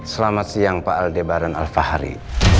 selamat siang pak aldebaran alfahari